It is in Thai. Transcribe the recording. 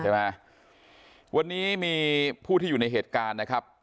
วันนี้มีผู้อยู่ในเหตุการณ์